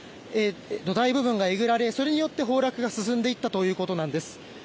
土台部分がえぐられそれによって崩落が進んでいったということです。